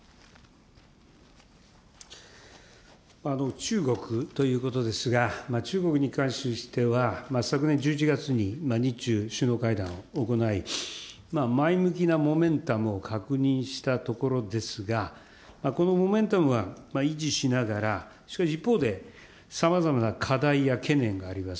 中国ということですが、中国に関しては、昨年１１月に、日中首脳会談を行い、前向きなモメンタムを確認したところですが、このモメンタムは維持しながら、しかし一方で、さまざまな課題や懸念があります。